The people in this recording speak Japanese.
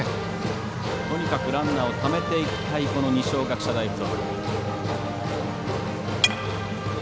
とにかくランナーをためていきたい二松学舎大付属。